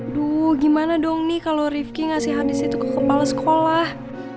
aduh gimana dong nih kalau rifki ngasih habis itu ke kepala sekolah